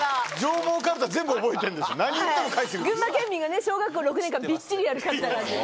はい群馬県民がね小学校６年間びっちりやるかるたなんです。